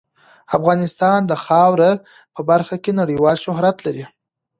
افغانستان د خاوره په برخه کې نړیوال شهرت لري.